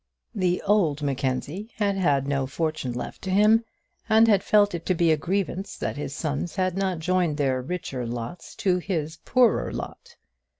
The old Mackenzie had had no fortune left to him, and had felt it to be a grievance that his sons had not joined their richer lots to his poorer lot.